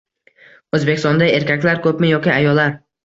O‘zbekistonda erkaklar ko‘pmi yoki ayollar?